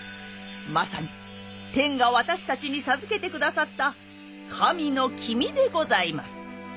まさに天が私たちに授けてくださった神の君でございます。